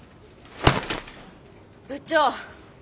部長！